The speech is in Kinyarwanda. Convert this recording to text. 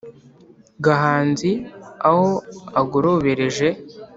gahanzi aho agorobereje